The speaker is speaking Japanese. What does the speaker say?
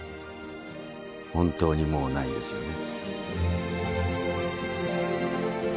本当にもうないんですよね？